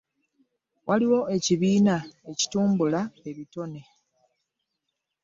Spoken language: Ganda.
Waliwo ekibiina ekitumbula ebitone.